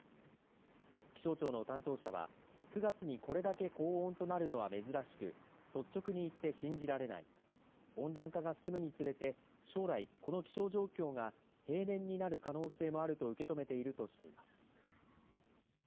気象庁の担当者は９月にこれだけ高温となるのは珍しく率直に言って信じられない温暖化が進むにつれて将来、この気象状況が平年になる可能性もあると受け止めているとしています。